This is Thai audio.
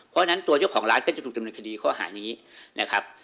เพราะฉะนั้นตัวเจ้าของร้านก็จะถูกดำเนินคดีข้อหานี้นะครับ